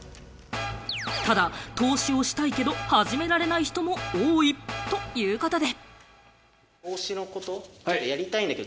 ただ投資をしたいけど始められない人も多いということで。